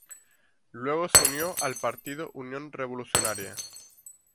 Luego se unió al partido Unión Revolucionaria.